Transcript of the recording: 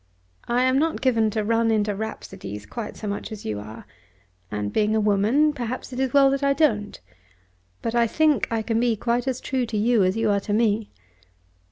I am not given to run into rhapsodies quite so much as you are, and being a woman perhaps it is as well that I don't. But I think I can be quite as true to you as you are to me."